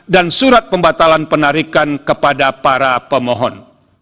dan surat pembatalan penarikan kepada para pemohon